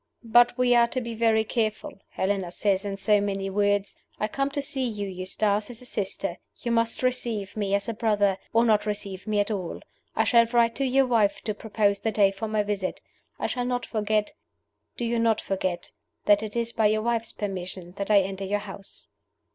"But we are to be very careful. Helena says, in so many words, 'I come to see you, Eustace, as a sister. You must receive me as a brother, or not receive me at all. I shall write to your wife to propose the day for my visit. I shall not forget do you not forget that it is by your wife's permission that I enter your house.